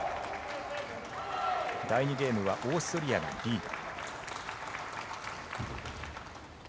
第２ゲームはオーストリアがリード。